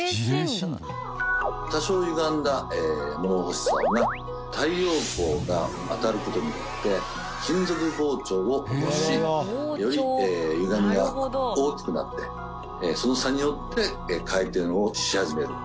多少ゆがんだ物干し竿が太陽光が当たる事によって金属膨張を起こしよりゆがみが大きくなってその差によって回転をし始める。